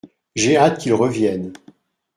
J’ai hâte qu’il revienne.